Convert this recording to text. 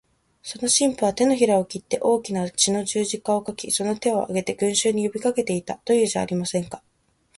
その神父は、てのひらを切って大きな血の十字架を書き、その手を上げて、群集に呼びかけていた、というじゃありませんか。